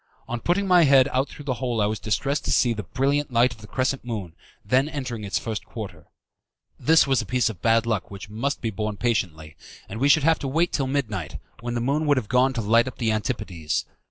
On putting my head out through the hole I was distressed to see the brilliant light of the crescent moon then entering in its first quarter. This was a piece of bad luck which must be borne patiently, and we should have to wait till midnight, when the moon would have gone to light up the Antipodes.